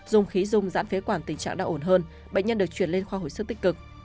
dùng khí dung giãn phế quản tình trạng đau ổn hơn bệnh nhân được chuyển lên khoa hồi sức tích cực